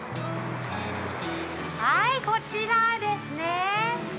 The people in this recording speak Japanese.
はい、こちらですね。